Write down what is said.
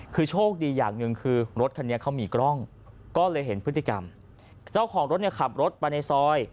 คือโชคดีอย่างหนึ่งคือรถคันนี้เขามีกล้องก็เลยเห็นพฤติกรรมเจ้าของรถเนี่ยขับรถไปในซอย